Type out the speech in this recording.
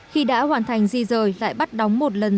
khi đã hoàn thành di rời lại bắt đóng một lần